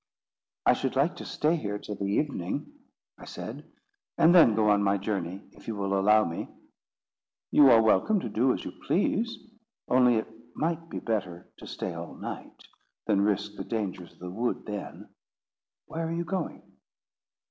"I should like to stay here till the evening," I said; "and then go on my journey, if you will allow me." "You are welcome to do as you please; only it might be better to stay all night, than risk the dangers of the wood then. Where are you going?"